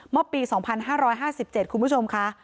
เมื่อปี๒๕๕๗คุณผู้ชมค่ะ